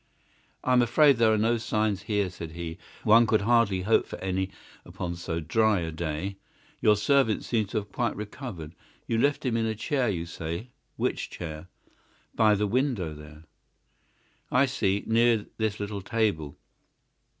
"I am afraid there are no signs here," said he. "One could hardly hope for any upon so dry a day. Your servant seems to have quite recovered. You left him in a chair, you say; which chair?" "By the window there." "I see. Near this little table.